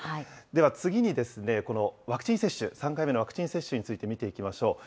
では、次にですね、このワクチン接種、３回目のワクチン接種について見ていきましょう。